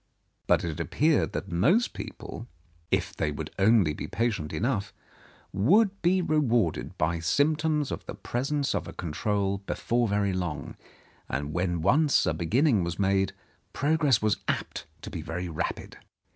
But it appeared that most people, if they would only be patient enough, would be re warded by symptoms of the presence of a control be fore very long, and when once a beginning was made, progress was apt to be very rapid.